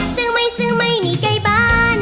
ซื้อไม่ซื้อไม่นี่ไก่บ้าน